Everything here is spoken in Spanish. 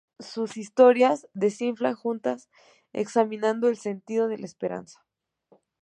Sus historias desfilan juntas, examinado el sentido de la esperanza.